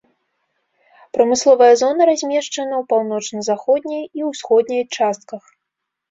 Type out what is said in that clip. Прамысловая зона размешчана ў паўночна-заходняй і ўсходняй частках.